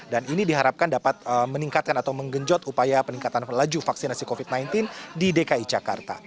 dan ini diharapkan dapat meningkatkan atau menggenjot upaya peningkatan pelaju vaksinasi covid sembilan belas di dki jakarta